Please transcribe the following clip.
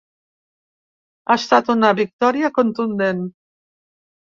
Ha estat una victòria contundent.